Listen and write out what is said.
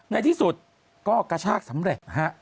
ในที่สุดก็กระชากสำเร็จฮะ